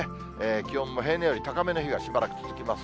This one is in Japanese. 気温も平年より高めの日がしばらく続きます。